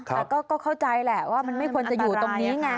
แต่ก็เข้าใจแหละว่ามันไม่ควรจะอยู่ตรงนี้ไง